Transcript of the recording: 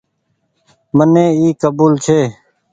مني اي ڪبول ڇي ۔